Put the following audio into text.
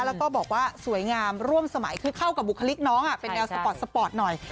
แล้วก็บอกว่าสวยงามร่วมสมัยคือเข้ากับบุคลิกน้องเป็นแนวสปอร์ตสปอร์ตหน่อย